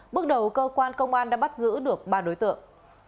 bước đầu cơ quan công an đã bắt giữ được ba đối tượng